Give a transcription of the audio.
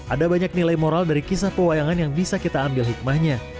ada banyak nilai moral dari kisah pewayangan yang bisa kita ambil hikmahnya